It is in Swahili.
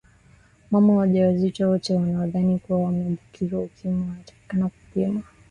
mama wajawazito wote wanaodhani kuwa wameambukizwa ukimwi wanatakaki kupima